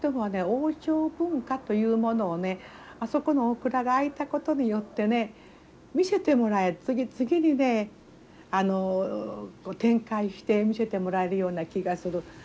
王朝文化というものをねあそこのお蔵が開いたことによってね見せてもらえ次々にねあの展開して見せてもらえるような気がする。